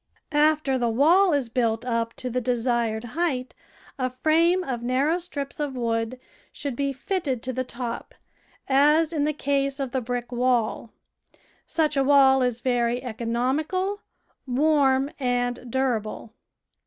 After the wall is built up to the desired height, a frame of narrow strips of wood should be fitted to the top, as in the case of the brick wall. Such a wall is very economical, warm, and durable.